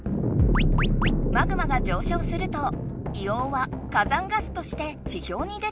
マグマが上しょうすると硫黄は火山ガスとして地ひょうに出てくる。